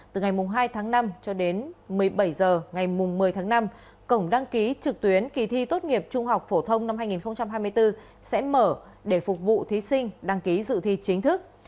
từ ngày hai tháng năm cho đến một mươi bảy h ngày một mươi tháng năm cổng đăng ký trực tuyến kỳ thi tốt nghiệp trung học phổ thông năm hai nghìn hai mươi bốn sẽ mở để phục vụ thí sinh đăng ký dự thi chính thức